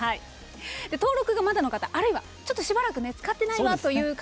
登録がまだの方、あるいはしばらく使ってないなという方